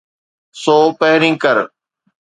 سو پهرين ڪر.